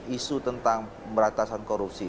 isu tentang meratasan korupsi